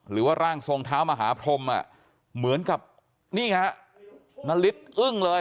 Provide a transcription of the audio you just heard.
หรือว่าร่างทรงเท้ามหาพรมเหมือนกับนี่ค่ะนัฬิสอึ้งเลย